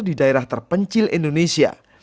di daerah terpencil indonesia